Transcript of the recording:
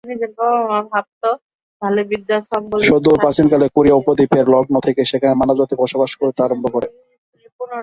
সুদূর প্রাচীনকালে কোরীয় উপদ্বীপ এর লগ্ন থেকেই সেখানে মানবজাতি বসবাস করতে আরম্ভ করে।